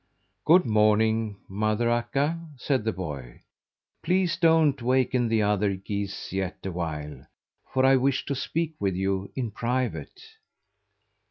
"Good morning, Mother Akka!" said the boy. "Please don't waken the other geese yet awhile, for I wish to speak with you in private."